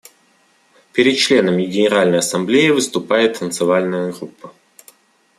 Перед членами Генеральной Ассамблеи выступает танцевальная группа.